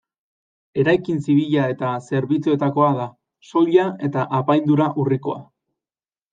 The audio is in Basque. Eraikin zibila eta zerbitzuetakoa da, soila eta apaindura urrikoa.